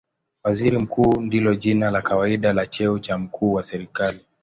Waziri Mkuu ndilo jina la kawaida la cheo cha mkuu wa serikali.